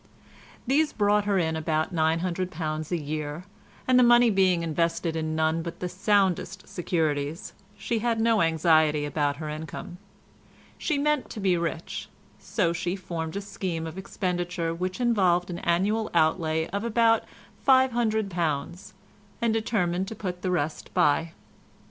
These brought her in about £900 a year, and the money being invested in none but the soundest securities, she had no anxiety about her income. She meant to be rich, so she formed a scheme of expenditure which involved an annual outlay of about £500, and determined to put the rest by.